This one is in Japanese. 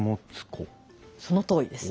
そのとおりです。